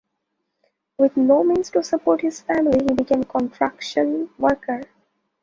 With no means to support his family, he became a construction worker.